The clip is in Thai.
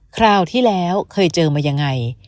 คราวที่แล้วเคยเจอมายังไง